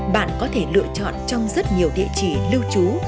bạn có thể lựa chọn trong rất nhiều địa chỉ lưu trú